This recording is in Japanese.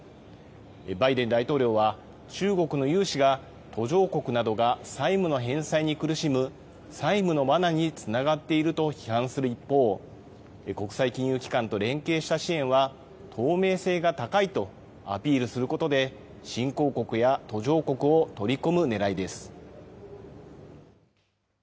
バイデン大統領は、中国の融資が途上国などが債務の返済に苦しむ、債務のわなにつながっていると批判する一方、国際金融機関と連携した支援は透明性が高いとアピールすることで、新興国や途上国を取り込むねらいです。